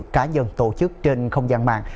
cá nhân tổ chức trên không gian mạng